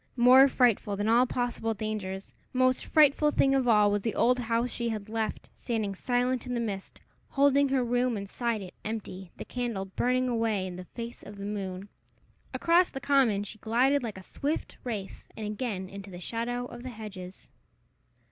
More frightful than all possible dangers, most frightful thing of all, was the old house she had left, standing silent in the mist, holding her room inside it empty, the candle burning away in the face of the moon! Across the common she glided like a swift wraith, and again into the shadow of the hedges.